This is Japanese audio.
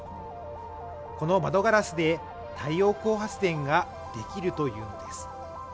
この窓ガラスで太陽光発電ができるというのです